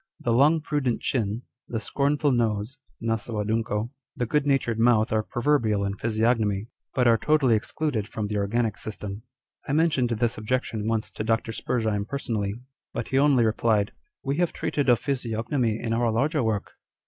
The long prudent chin, the scornful nose (naso adunco), the good natured mouth are proverbial in physiognomy, but are totally excluded from the organic system. I mentioned this objection once to Dr. Spurzheim personally, but he only replied â€" " We have treated of physiognomy in our larger work